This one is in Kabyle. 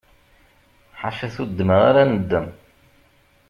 Ḥaca tuddma ara neddem.